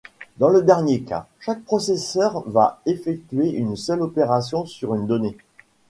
Dans le dernier cas, chaque processeur va effectuer une seule opération sur une donnée.